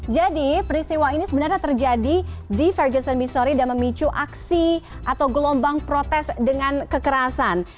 jadi peristiwa ini sebenarnya terjadi di ferguson missouri dan memicu aksi atau gelombang protes dengan kekerasan